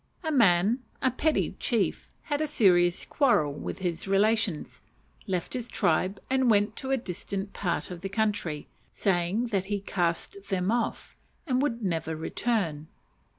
A man a petty chief had a serious quarrel with his relations, left his tribe, and went to a distant part of the country, saying that he cast them off and would never return.